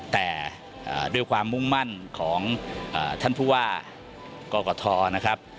แต่ด้วยความมุ่งมั่นของท่านผู้ว่ากกทนะครับ